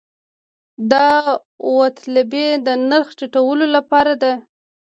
داوطلبي د نرخ ټیټولو لپاره ده